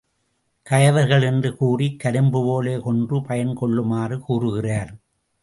கயவர்கள் என்று கூறிக் கரும்புபோலக் கொன்று பயன் கொள்ளுமாறு கூறுகிறார்.